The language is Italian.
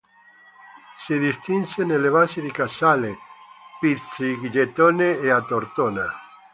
Si distinse nelle basi di Casale, Pizzighettone e a Tortona.